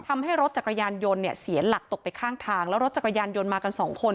ทำให้รถจักรยานยนต์เนี่ยเสียหลักตกไปข้างทางแล้วรถจักรยานยนต์มากันสองคน